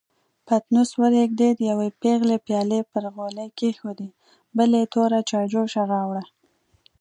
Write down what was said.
پتنوس ورېږدېد، يوې پېغلې پيالې پر غولي کېښودې، بلې توره چايجوشه راوړه.